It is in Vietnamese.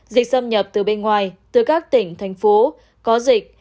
dịch xâm nhập từ bên ngoài từ các tỉnh thành phố có dịch